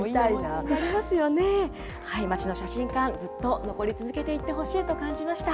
町の写真館、ずっと残り続けていってほしいと感じました。